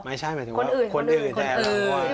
ไม่ใช่หมายถึงว่าคนอื่นแทน